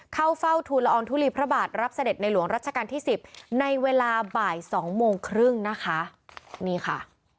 เข้าเฝ้าทูลละอองทุลีพระบาทรับเสด็จในหลวงรัชกาลที่สิบในเวลาบ่ายสองโมงครึ่งนะคะนี่ค่ะ